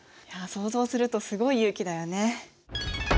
いや想像するとすごい勇気だよね。